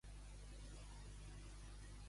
Abaixar els brios.